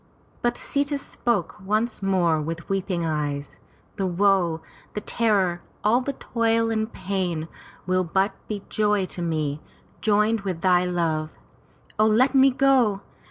But Sita spoke once more with weeping eyes: "The woe, the terror, all the toil and pain will but be joy to me, joined with thy love. O let me go!